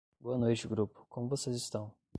Boa noite grupo, como vocês estão?